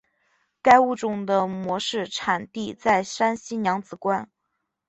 该物种的模式产地在山西娘子关。